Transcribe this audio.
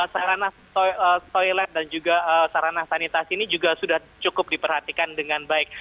sarana toilet dan juga sarana sanitasi ini juga sudah cukup diperhatikan dengan baik